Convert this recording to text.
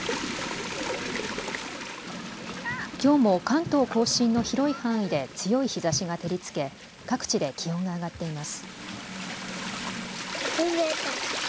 きょうも関東甲信の広い範囲で強い日ざしが照りつけ各地で気温が上がっています。